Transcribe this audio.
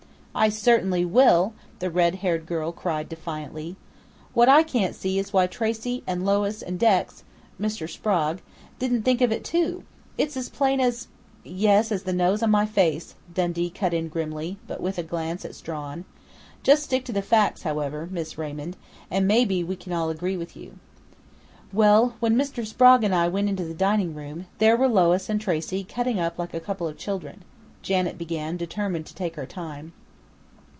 "I certainly will!" the red haired girl cried defiantly. "What I can't see is why Tracey and Lois and Dex Mr. Sprague didn't think of it, too. It's as plain as " "Yes, as the nose on my face," Dundee cut in grimly, but with a glance at Strawn. "Just stick to the facts, however, Miss Raymond, and maybe we can all agree with you." "Well, when Mr. Sprague and I went into the dining room, there were Lois and Tracey cutting up like a couple of children," Janet began, determined to take her time.